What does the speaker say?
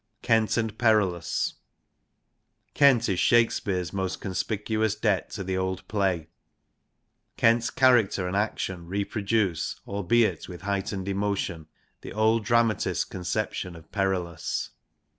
Kent and Perillus. Kent is Shakespeare's most ^^ conspicuous debt to the old play. Kent's character and action reproduce, albeit with heightened emotion, the old dramatist's conception of Periljjis.